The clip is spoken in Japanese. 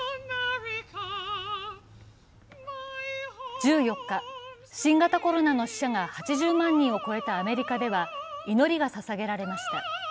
１４日、新型コロナの死者が８０万人を超えたアメリカでは祈りが捧げられました。